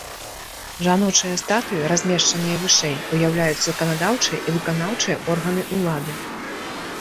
Жаночыя статуі, размешчаныя вышэй, уяўляюць заканадаўчыя і выканаўчыя органы ўлады.